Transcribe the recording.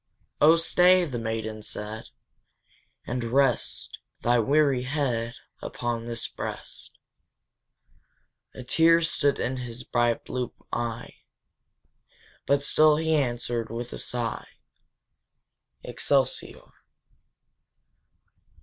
"Oh stay," the maiden said, "and rest Thy weary head upon this breast!" A tear stood in his bright blue eye, But still he answered, with a sigh, Excelsior!